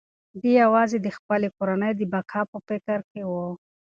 دی یوازې د خپلې کورنۍ د بقا په فکر کې و.